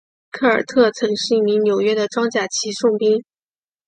科贝特曾是一名纽约的装甲骑送兵。